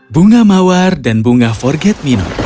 bunga mawar dan bunga forget me not